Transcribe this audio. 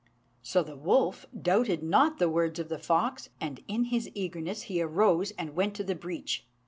So the wolf doubted not the words of the fox, and in his eagerness he arose and went to the breach.